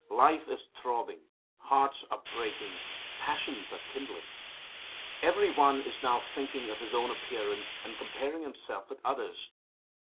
Life is throbbing; hearts are breaking; passions are kindling. Every one is now thinking of his own appearance, and comparing himself with others.